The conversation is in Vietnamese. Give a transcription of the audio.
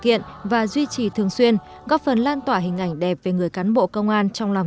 kiện và duy trì thường xuyên góp phần lan tỏa hình ảnh đẹp về người cán bộ công an trong lòng